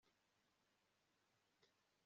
sinari nzi ko uza